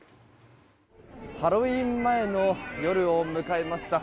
ハロウィーン前の夜を迎えました。